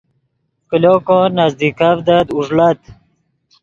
کلو کو نزیکڤدت اوݱڑت